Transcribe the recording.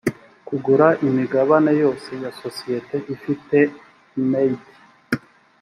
kugura imigabane yose ya sosiyete ifite made